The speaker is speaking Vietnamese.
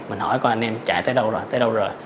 mình hỏi con anh em chạy tới đâu rồi